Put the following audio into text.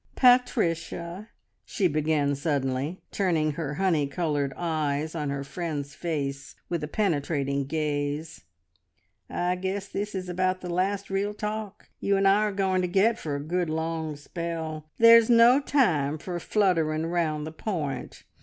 "Pat ricia," she began suddenly, turning her honey coloured eyes on her friend's face with a penetrating gaze, "I guess this is about the last real talk you and I are going to get for a good long spell. There's no time for fluttering round the point.